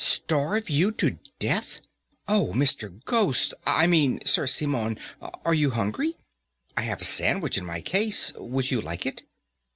"Starve you to death? Oh, Mr. Ghost I mean Sir Simon, are you hungry? I have a sandwich in my case. Would you like it?"